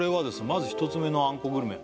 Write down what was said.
まず１つ目のあんこグルメ